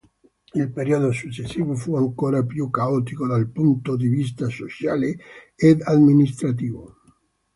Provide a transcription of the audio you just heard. Il periodo successivo fu ancora più caotico dal punto di vista sociale ed amministrativo.